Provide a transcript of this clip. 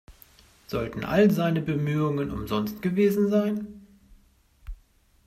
Sollten all seine Bemühungen umsonst gewesen sein?